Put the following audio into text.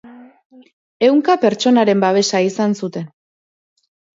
Ehunka pertsonaren babesa izan zuten.